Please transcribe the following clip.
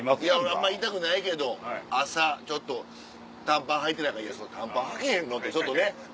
あんま言いたくないけど朝短パンはいてないから「短パンはけへんの？」ってちょっとね